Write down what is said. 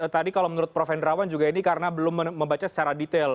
tadi kalau menurut prof hendrawan juga ini karena belum membaca secara detail